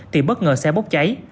tìm bất ngờ xe bốc cháy